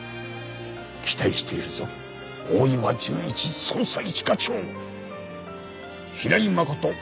期待しているぞ大岩純一捜査一課長平井真琴